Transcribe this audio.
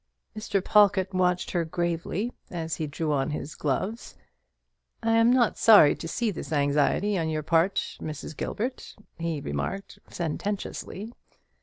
Mr. Pawlkatt watched her gravely as he drew on his gloves. "I am not sorry to see this anxiety on your part, Mrs. Gilbert," he remarked sententiously.